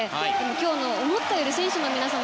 今日は思ったより選手の皆さん